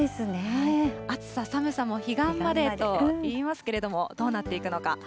暑さ寒さも彼岸までといいますけれども、どうなっていくのか。